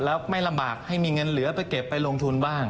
แล้วไม่ลำบากให้มีเงินเหลือไปเก็บไปลงทุนบ้าง